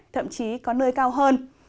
thậm chí có nơi cao hơn